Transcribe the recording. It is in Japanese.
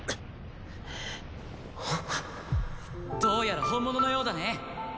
どうやら本物のようだね。